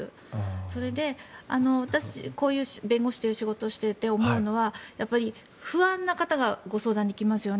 それで、こういう弁護士という仕事をしていて思うのは不安な方がご相談に来ますよね。